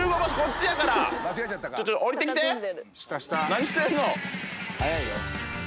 何してん？